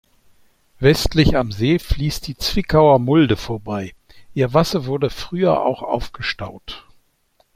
Westlich am See fließt die Zwickauer Mulde vorbei; ihr Wasser wurde früher auch aufgestaut.